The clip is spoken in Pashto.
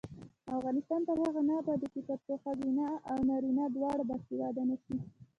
افغانستان تر هغو نه ابادیږي، ترڅو ښځینه او نارینه دواړه باسواده نشي.